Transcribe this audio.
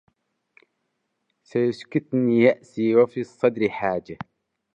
سيسكتني يأسي وفي الصدر حاجة